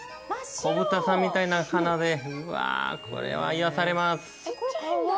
子豚さんみたいな鼻でこれは癒やされます。